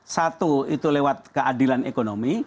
satu itu lewat keadilan ekonomi